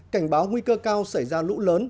cảnh báo nguy cơ cao xảy ra lũ lớn